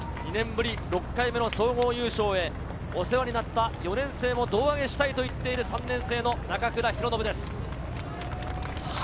２年ぶり６回目の総合優勝へ、お世話になった４年生を胴上げしたいと言っている３年生の中倉啓敦です。